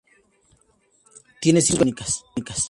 Tiene cinco lecturas únicas.